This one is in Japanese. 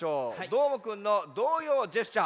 どーもくんの童謡ジェスチャー